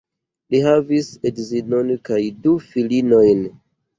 Li havis edzinon kaj du filinojn.